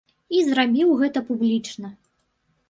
І зрабіў гэта публічна.